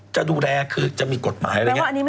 จะดูแลคือจะมีกฎหมาย